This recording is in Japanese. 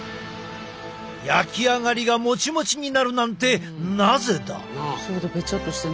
焼き上がりがモチモチになるなんてなぜだ？